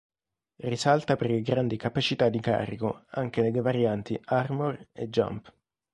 Risalta per la grande capacità di carico, anche nelle varianti "Armor" e "Jump".